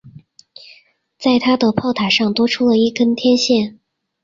在它的炮塔上多出了一根天线。